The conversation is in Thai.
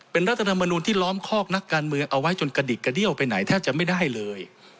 เป็นรัฐธรรมนูลที่ล้อมคอกนักการเมืองเอาไว้จนกระดิกกระเดี้ยวไปไหนแทบจะไม่ได้เลย